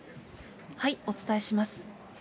お伝えします。